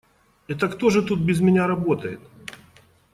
Это кто же тут без меня работает?